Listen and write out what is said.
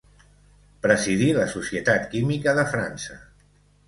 Presidí La Societat Química de França.